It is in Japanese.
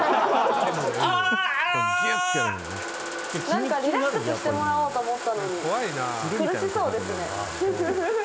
何かリラックスしてもらおうと思ったのに苦しそうですね。